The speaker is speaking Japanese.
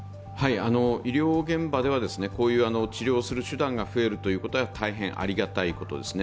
医療現場では治療する手段が増えるということは大変ありがたいことですね。